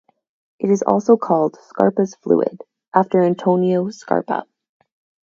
It is also called "Scarpa's fluid", after Antonio Scarpa.